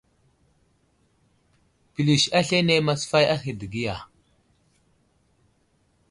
Pəlis aslane masfay ahe dəgiya.